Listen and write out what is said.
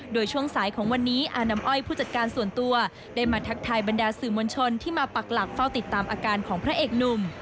โดยช่วงสายของวันนี้อานำอ้อยผู้จัดการส่วนตัวได้มาทักทายบรรดาสื่อมวลชนที่มาปักหลักเฝ้าติดตามอาการของพระเอกหนุ่ม